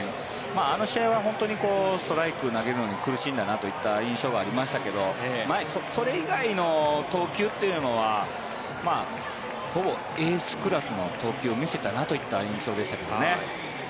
あの試合は本当にストライクを投げるの苦しいんだなといった印象がありましたけどそれ以外の投球というのはほぼエースクラスの投球を見せたなといった印象でしたけどね。